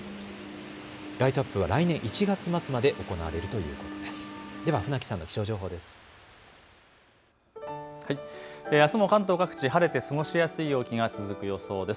ライトアップは来年１月末まで行われるということです。